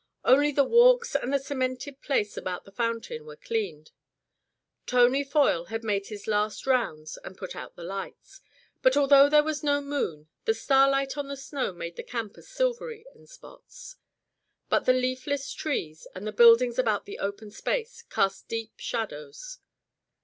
Only the walks and the cemented place about the fountain were cleaned. Tony Foyle had made his last rounds and put out the lights; but although there was no moon the starlight on the snow made the campus silvery in spots. But the leafless trees, and the buildings about the open space, cast deep shadows.